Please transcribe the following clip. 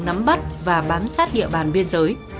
nắm bắt và bám sát địa bàn biên giới